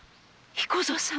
彦蔵さん